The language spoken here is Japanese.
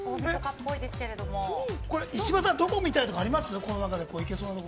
石破さんどこ見たいとかあります。